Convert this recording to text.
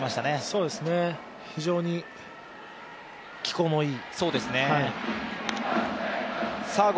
そうですね、非常に気候もいい。